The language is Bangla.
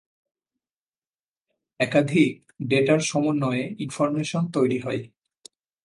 একাধিক ডেটার সমন্বয়য়ে ইনফরমেশন তৈরি হয়।